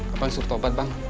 abang suruh tobat bang